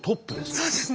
そうですね。